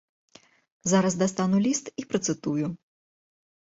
Зараз дастану ліст і працытую.